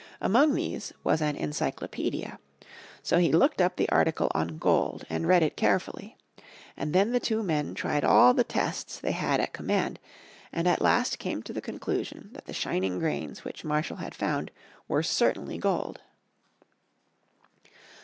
Among these was an Encyclopedia. So he looked up the article on gold and read it carefully. And then the two men tried all the tests they had at command, and at last came to the conclusion that the shining grains which Marshall had found were certainly gold.